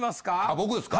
僕ですか？